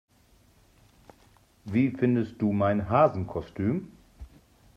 Wie findest du mein Hasenkostüm?